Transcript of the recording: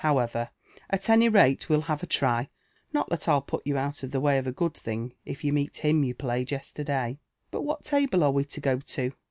However, at any ralejive'U ha\en try — not that Til put you out of the way of a good (hiog if you ttieet him you played yesterday." But what table are we lo go to